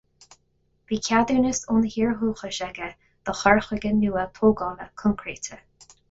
Bhí ceadúnas óna thír dhúchais aige do chur chuige nua tógála coincréite.